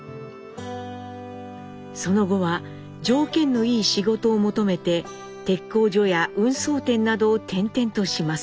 その後は条件のいい仕事を求めて鉄工所や運送店などを転々とします。